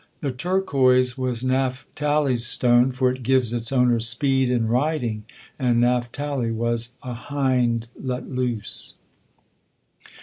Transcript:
The turquoise was Naphtali's stone, for it gives its owner speed in riding, and Naphtali was "a hind let loose."